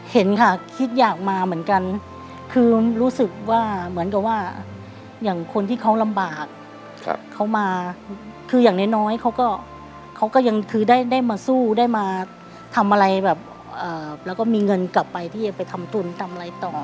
เห็นค่ะคิดอยากมาเหมือนกันคือรู้สึกว่าเหมือนกับว่าอย่างคนที่เขาลำบากเขามาคืออย่างน้อยเขาก็เขาก็ยังคือได้มาสู้ได้มาทำอะไรแบบแล้วก็มีเงินกลับไปที่จะไปทำทุนทำอะไรต่อ